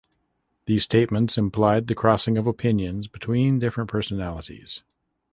These statements implied the crossing of opinions between different personalities.